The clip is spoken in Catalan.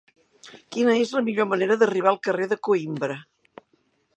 Quina és la millor manera d'arribar al carrer de Coïmbra?